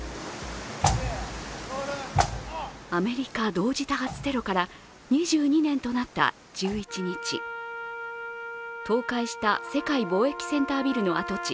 アメリカ同時多発テロから２２年となった１１日倒壊した世界貿易センタービルの跡地